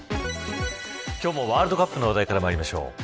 今日もワールドカップの話題からまいりましょう。